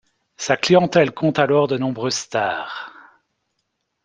Sa clientèle compte alors de nombreuses stars.